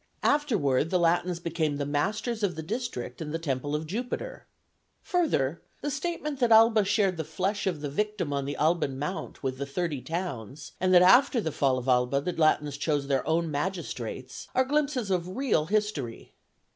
Afterward the Latins became the masters of the district and temple of Jupiter. Further, the statement that Alba shared the flesh of the victim on the Alban mount with the thirty towns, and that after the fall of Alba the Latins chose their own magistrates, are glimpses of real history.